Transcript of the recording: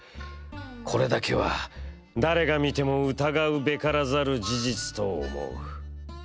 これだけは誰が見ても疑うべからざる事実と思う」。